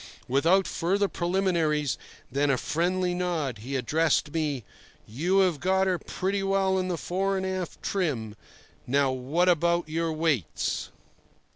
Without further preliminaries than a friendly nod, he addressed me: "You have got her pretty well in her fore and aft trim. Now, what about your weights?"